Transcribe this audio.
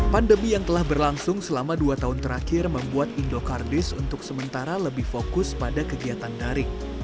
pandemi yang telah berlangsung selama dua tahun terakhir membuat indokardis untuk sementara lebih fokus pada kegiatan daring